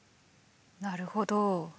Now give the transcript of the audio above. なるほど。